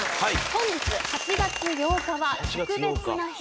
本日８月８日は特別な日。